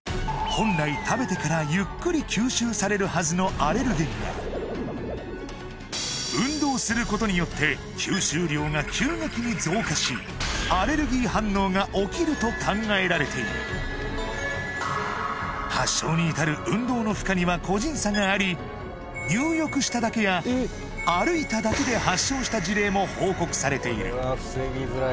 本来食べてからゆっくり吸収されるはずのアレルゲンが運動することによって吸収量が急激に増加しアレルギー反応が起きると考えられているがあり入浴しただけや歩いただけで発症した事例も報告されている